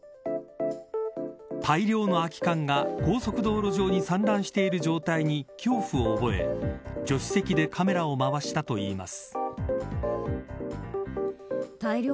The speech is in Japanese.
大量の空き缶が、高速道路上に散乱している状態に恐怖を覚え、助手席でカメラを回したといいます。